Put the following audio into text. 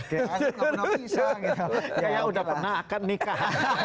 kayak udah pernah akan nikah